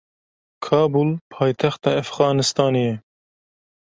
Kabûl paytexta Efxanistanê ye.